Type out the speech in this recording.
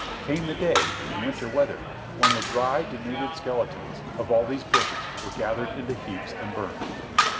Came the day, in winter weather, when the dry denuded skeletons of all these bushes were gathered into heaps and burned.